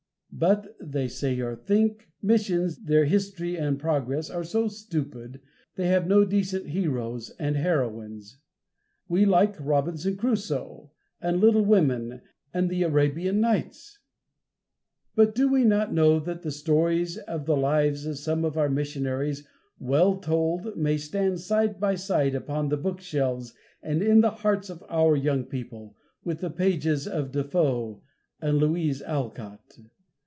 "But," they say or think, "Missions, their history and progress are so stupid, they have no decent heroes and heroines. We like Robinson Crusoe, and Little Women, and the Arabian Nights!" But do we not know that the stories of the lives of some of our missionaries, well told, may stand side by side, upon the book shelves and in the hearts of our young people, with the pages of De Foe and Louise Alcott?